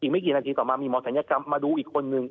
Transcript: ไม่กี่นาทีต่อมามีหมอศัลยกรรมมาดูอีกคนนึง